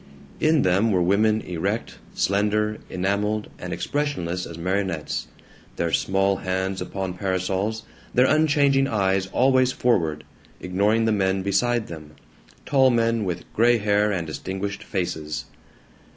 In them were women erect, slender, enameled, and expressionless as marionettes, their small hands upon parasols, their unchanging eyes always forward, ignoring the men beside them, tall men with gray hair and distinguished faces.